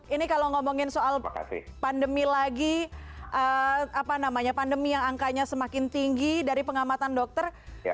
ini kalau ngomongin soal pandemi lagi pandemi yang angkanya semakin tinggi dari pengamatan dokter